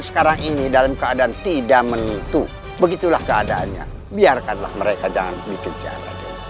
sekarang ini dalam keadaan tidak menentu begitulah keadaannya biarkanlah mereka jangan dikejar